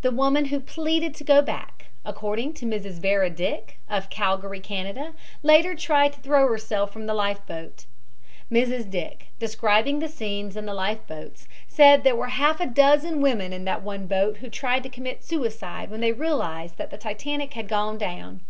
The woman who pleaded to go back, according to Mrs. Vera Dick, of Calgary, Canada, later tried to throw herself from the life boat. Mrs. Dick, describing the scenes in the life boats, said there were half a dozen women in that one boat who tried to commit suicide when they realized that the Titanic had gone down.